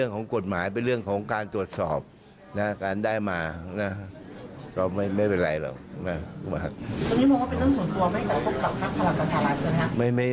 ตรงนี้พวกเขาเป็นเรื่องส่วนตัวไม่แต่พวกเขากำลังประชาหรัฐใช่ไหม